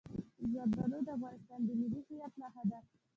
زردالو د افغانستان د ملي هویت نښه ده.